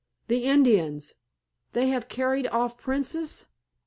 "The Indians—they have carried off Princess?"